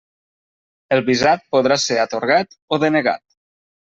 El visat podrà ser atorgat o denegat.